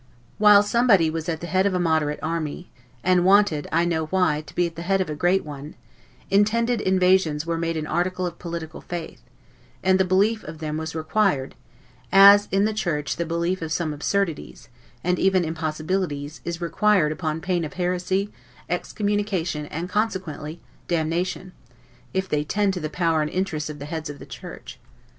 While somebody was at the head of a moderate army, and wanted (I know why) to be at the head of a great one, intended invasions were made an article of political faith; and the belief of them was required, as in the Church the belief of some absurdities, and even impossibilities, is required upon pain of heresy, excommunication, and consequently damnation, if they tend to the power and interest of the heads of the Church.